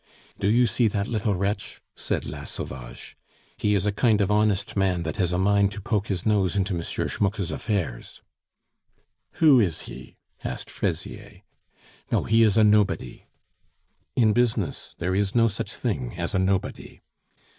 "Do you see that little wretch?" said La Sauvage. "He is a kind of honest man that has a mind to poke his nose into M. Schmucke's affairs." "Who is he?" asked Fraisier. "Oh! he is a nobody." "In business there is no such thing as a nobody."